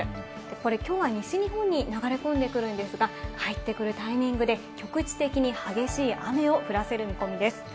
これきょうは西日本に流れ込んでくるんですが、入ってくるタイミングで局地的に激しい雨を降らせる見込みです。